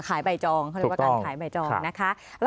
ขายใบจองเขาเรียกว่าการขายใบจองนะคะ